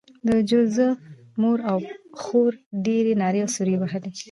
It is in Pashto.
د جوزف مور او خور ډېرې نارې او سورې وهلې